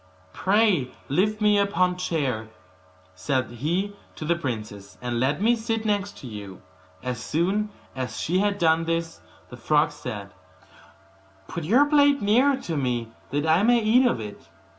'Pray lift me upon chair,' said he to the princess, 'and let me sit next to you.' As soon as she had done this, the frog said, 'Put your plate nearer to me, that I may eat out of it.